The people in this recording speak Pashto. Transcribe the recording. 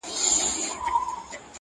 د وه بُت تراشۍ ته، تماشې د ښار پرتې دي